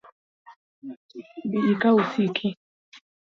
Bi ikaw osiki